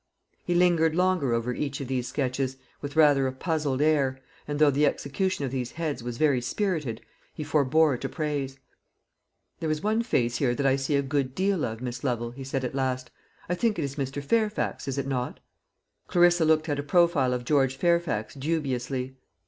He lingered longer over each of these sketches, with rather a puzzled air, and though the execution of these heads was very spirited, he forbore to praise. "There is one face here that I see a good deal of, Miss Lovel," he said at last. "I think it is Mr. Fairfax, is it not?" Clarissa looked at a profile of George Fairfax dubiously.